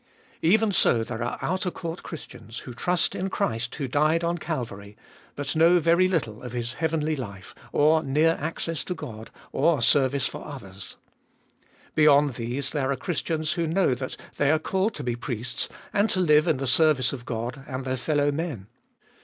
Even so there are outer court Christians, who trust in Christ who died on Calvary, but know very little of His heavenly life, or near access to God, or service for others. Beyond these there are Christians who know that they are called to be priests and to live in the service of God and their fellow men.